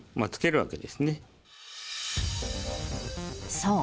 ［そう。